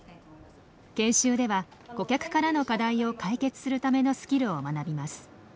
研修では顧客からの課題を解決するためのスキルを学びます。